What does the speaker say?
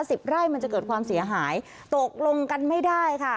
สิบไร่มันจะเกิดความเสียหายตกลงกันไม่ได้ค่ะ